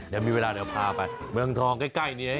ยังมีเวลาเดี๋ยวพาไปเมืองทองใกล้เนี่ย